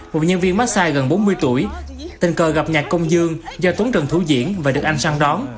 một nhân viên massage gần bốn mươi tuổi tình cờ gặp nhạc công dương do tốn trần thủ diễn và được anh sang đón